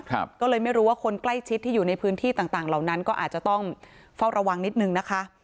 ก็เลยไม่รู้ว่าคนใกล้ชิดที่อยู่ในพื้นที่ต่างต่างเหล่านั้นก็อาจจะต้องเฝ้าระวังนิดนึงนะคะ